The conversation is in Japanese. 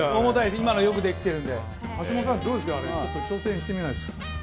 今、よくできてるんで橋下さん挑戦してみないですか。